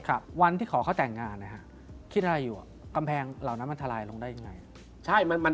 ค่ะวันที่ขอเขาแต่งงานนะฮะคิดอะไรอยู่กำแพงเหล่านั้นมันทลายลงได้อย่างไง